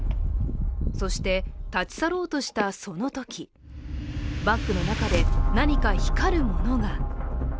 そして、立ち去ろうとしたそのときバッグの中で何か光るものが。